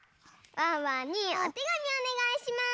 ワンワンにおてがみおねがいします。